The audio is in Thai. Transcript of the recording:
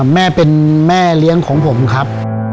แม่เป็นแม่เลี้ยงของผมครับ